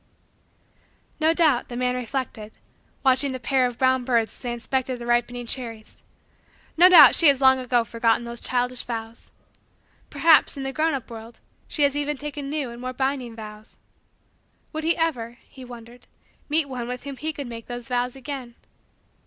No doubt, the man reflected watching the pair of brown birds as they inspected the ripening cherries no doubt she has long ago forgotten those childish vows. Perhaps, in the grown up world, she has even taken new and more binding vows. Would he ever, he wondered, meet one with whom he could make those vows again?